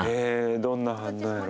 どんな反応やろ。